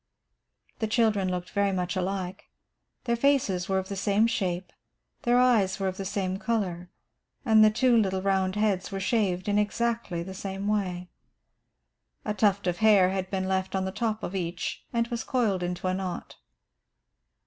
The children looked very much alike. Their faces were of the same shape, their eyes were of the same colour, and the two little round heads were shaved in exactly the same way. A tuft of hair had been left on the top of each and was coiled into a knot.